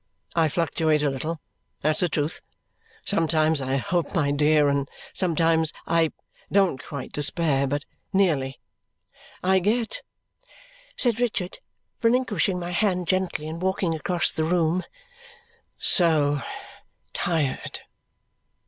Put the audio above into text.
I fluctuate a little; that's the truth. Sometimes I hope, my dear, and sometimes I don't quite despair, but nearly. I get," said Richard, relinquishing my hand gently and walking across the room, "so tired!"